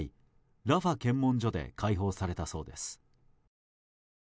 ラファ検問所で解放されたそうです。